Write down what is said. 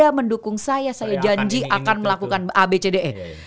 saya mendukung saya saya janji akan melakukan abcde